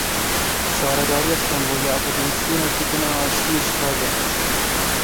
Şaradariya Stenbolê akademîsyeneke din a aşitiyê ji kar derxist.